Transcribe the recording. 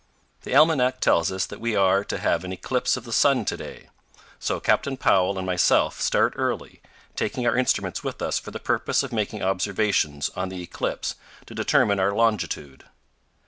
The almanac tells us that we are to have an eclipse of the sun to day; so Captain Powell and myself start early, taking our instruments with us for the purpose of making observations on the eclipse to determine our longitude.